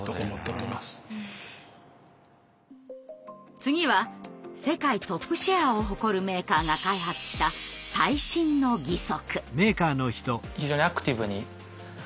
次は世界トップシェアを誇るメーカーが開発した最新の義足。